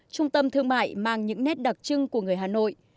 trung tâm thương mại mang những nét đặc trưng của người hà nội